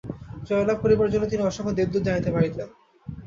জয়লাভ করিবার জন্য তিনি অসংখ্য দেবদূত আনিতে পারিতেন।